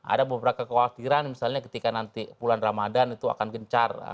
ada beberapa kekhawatiran misalnya ketika nanti bulan ramadhan itu akan gencar